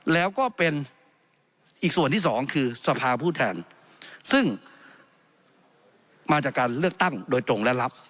แล้วก็เป็นอีกส่วนที่สองคือสภาผู้แทนซึ่งมาจากการเลือกตั้งโดยตรงและรับ